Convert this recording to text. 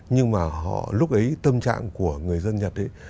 nhưng mà lúc ấy tâm trạng của người dân nhật ấy